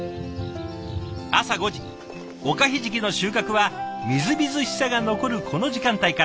おかひじきの収穫はみずみずしさが残るこの時間帯から。